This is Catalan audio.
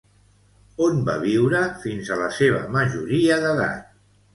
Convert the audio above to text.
On va viure fins a la seva majoria d'edat?